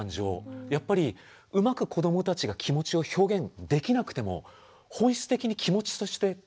やっぱりうまく子どもたちが気持ちを表現できなくても本質的に気持ちとして捉えている。